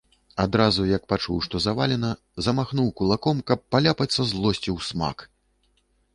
Адразу, як пачуў, што завалена, замахнуў кулаком, каб паляпаць са злосцю, усмак.